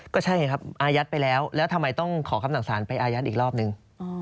ก็ใช่ครับอายัดไปแล้วแล้วทำไมต้องขอคำสั่งสารไปอายัดอีกรอบนึง